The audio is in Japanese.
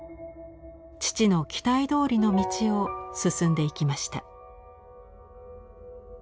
父の期待どおりの道を進んでいきました。